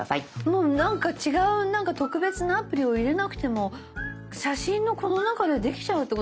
もうなんか違う特別なアプリを入れなくても写真のこの中でできちゃうってことですか？